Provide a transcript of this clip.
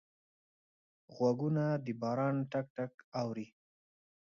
غوږونه د باران ټک ټک اوري